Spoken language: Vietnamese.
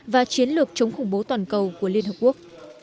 và chiến lược chống khủng bố toàn cầu của liên hợp quốc